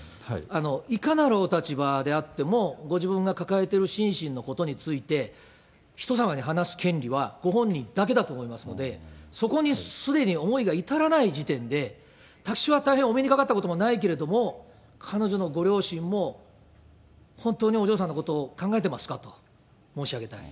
いかなるお立場であっても、ご自分が抱えている心身のことについて、人様に話す権利は、ご本人だけだと思いますので、そこにすでに思いが至らない時点で、私はお目にかかったことはないけれども、彼女のご両親も、本当にお嬢さんのことを考えてますかと申し上げたい。